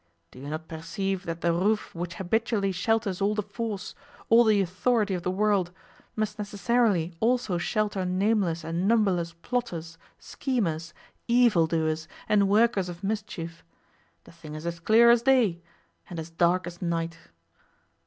Do you not perceive that the roof which habitually shelters all the force, all the authority of the world, must necessarily also shelter nameless and numberless plotters, schemers, evil doers, and workers of mischief? The thing is as clear as day and as dark as night.